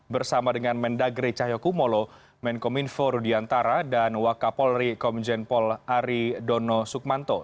bersama dengan mendagri cahyokumolo menko minfo rudiantara dan wakapolri komjenpol ari dono sukmanto